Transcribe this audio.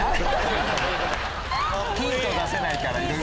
ヒント出せないから。